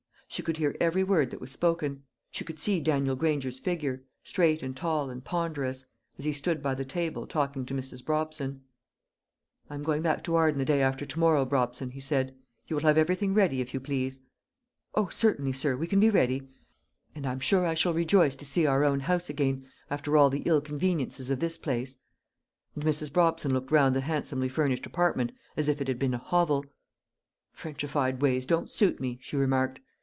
She could hear every word that was spoken; she could see Daniel Granger's figure, straight and tall and ponderous, as he stood by the table talking to Mrs. Brobson. "I am going back to Arden the day after to morrow, Brobson," he said; "you will have everything ready, if you please." "O, certainly, sir; we can be ready. And I'm sure I shall rejoice to see our own house again, after all the ill conveniences of this place." And Mrs. Brobson looked round the handsomely furnished apartment as if it had been a hovel. "Frenchified ways don't suit me," she remarked.